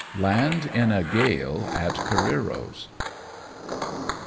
LAND IN A GALE AT CAUEBEO's.